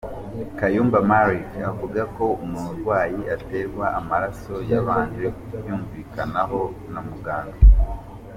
Kayumba Malick avuga ko umurwayi aterwa amaraso yabanje kubyumvikanaho na muganga.